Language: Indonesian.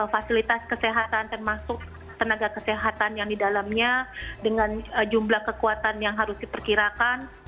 fasilitas kesehatan termasuk tenaga kesehatan yang di dalamnya dengan jumlah kekuatan yang harus diperkirakan